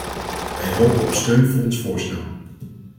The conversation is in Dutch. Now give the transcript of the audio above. Wij hopen op steun voor ons voorstel.